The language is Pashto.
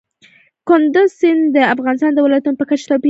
کندز سیند د افغانستان د ولایاتو په کچه توپیر لري.